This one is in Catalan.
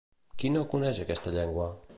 Qui no coneix aquesta llengua?